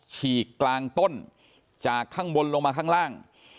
ฉีกกลางต้นจากข้างบนลงมาข้างล่าง